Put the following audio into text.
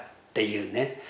っていうね